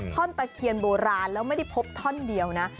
ตะเคียนโบราณแล้วไม่ได้พบท่อนเดียวนะ